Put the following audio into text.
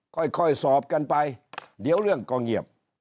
ค่อยสอบกันไปเดี๋ยวเรื่องก็เงียบ